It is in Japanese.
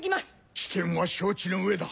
危険は承知の上だ。